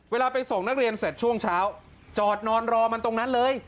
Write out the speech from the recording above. เวลาไปส่งนักเรียนเสร็จช่วงเช้าจอดนอนรอมันตรงนั้นเลย